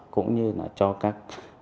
cũng như là cho các